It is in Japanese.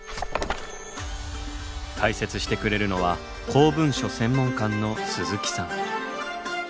解説してくれるのは公文書専門官の鈴木さん。